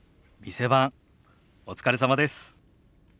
店番お疲れさまです。